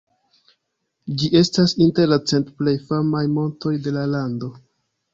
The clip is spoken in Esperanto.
Ĝi estas inter la cent plej famaj montoj de la lando.